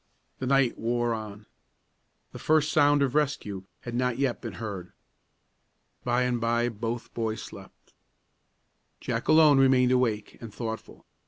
The night wore on. The first sound of rescue had not yet been heard. By and by both boys slept. Jack alone remained awake and thoughtful.